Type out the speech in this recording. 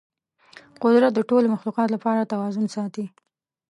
قدرت د ټولو مخلوقاتو لپاره توازن ساتي.